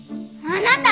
あなた！